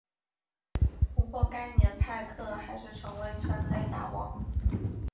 不过该年派克还是成为全垒打王。